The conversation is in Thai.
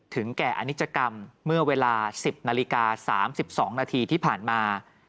แก่อนิจกรรมเมื่อเวลา๑๐นาฬิกา๓๒นาทีที่ผ่านมา